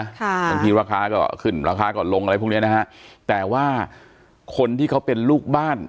บางทีราคาก็ขึ้นราคาก็ลงอะไรพวกเนี้ยนะฮะแต่ว่าคนที่เขาเป็นลูกบ้าน